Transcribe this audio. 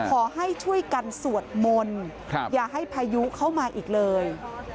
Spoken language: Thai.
ขอให้ช่วยกันสวดมนต์อย่าให้พายุเข้ามาอีกเลย